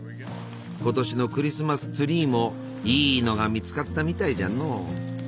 今年のクリスマスツリーもいいのが見つかったみたいじゃの。